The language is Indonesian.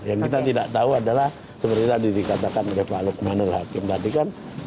yang kita tidak tahu adalah seperti tadi dikatakan oleh pak lukmanul hakim tadi kan